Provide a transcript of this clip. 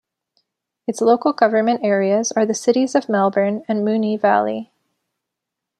Its local government areas are the Cities of Melbourne and Moonee Valley.